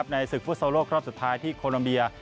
ในศึกฟุตซอลโลกรอบสุดท้ายที่โคลัมเบีย